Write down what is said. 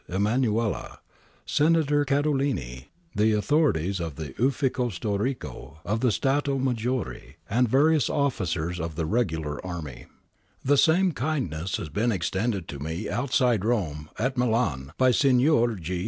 Emmanuele, Senator Cadolini, the authorities of the Ufficio Storico of the Stato Maggiore, and various officers of the regular army. X PREFACE The same kindness has been extended to me outside Rome, at Milan by Signor G.